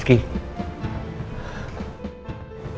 begitu tau soal ini